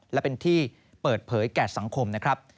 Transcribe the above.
และเป็นที่เปิดเผยแก่สังคมนะครับ